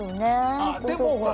あでもほら